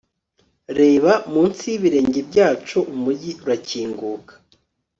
reba, munsi y'ibirenge byacu umujyi urakinguka